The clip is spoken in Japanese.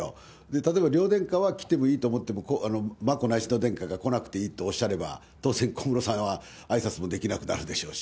例えば両殿下は来てもいいと思っても、眞子内親王殿下が来なくていいとおっしゃれば、どうせ小室さんはあいさつもできなくなるでしょうし。